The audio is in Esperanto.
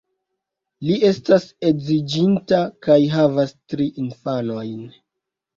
Li estas edziĝinta, kaj havas tri infanojn.